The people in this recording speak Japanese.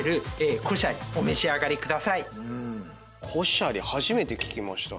コシャリ初めて聞きました。